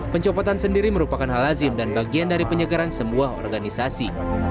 pencopotan sendiri merupakan hal lazim dan bagian dari penyegaran sebuah organisasi